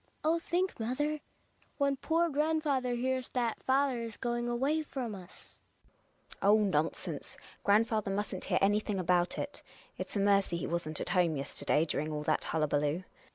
Oh, think, mother, when poor grandfather hears that father is going away from us. GiNA. Oh, nonsense ! Grandfather mustn't hear any thing about it. It's a mercv he wasn't at home yester day during all that hullaballoo.